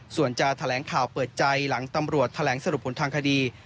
ส่วนจะแถลงข่าวเปิดใจหลังตำรวจแถลงสรุปผลทางคดี